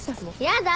やだ！